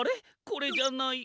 これじゃない。